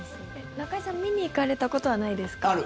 中居さん見に行かれたことはないですか？